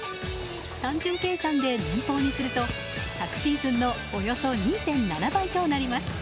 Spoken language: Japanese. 単純計算で年俸にすると昨シーズンのおよそ２．７倍となります。